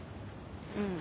うん。